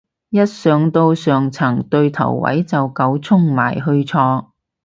一見到上層對頭位就狗衝埋去坐